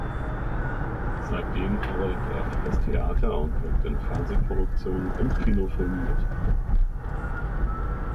Seitdem arbeitet er für das Theater und wirkt in Fernsehproduktionen und Kinofilmen mit.